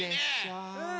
うん！